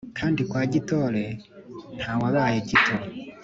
Kandi kwa Gitore ntawabaye gito